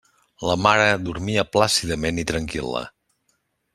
La mare dormia plàcidament i tranquil·la.